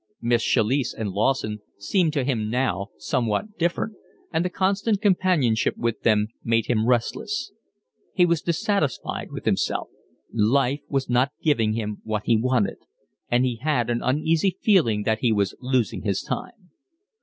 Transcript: Miss Chalice and Lawson seemed to him now somehow different, and the constant companionship with them made him restless. He was dissatisfied with himself. Life was not giving him what he wanted, and he had an uneasy feeling that he was losing his time.